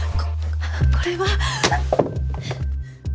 ここれは。